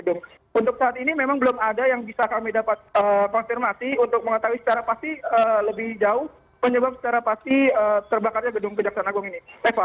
untuk saat ini memang belum ada yang bisa kami dapat konfirmasi untuk mengetahui secara pasti lebih jauh penyebab secara pasti terbakarnya gedung kejaksaan agung ini